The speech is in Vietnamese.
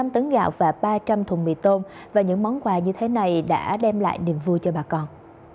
năm tấn gạo và ba trăm linh thùng mì tôm và những món quà như thế này đã đem lại niềm vui cho bà con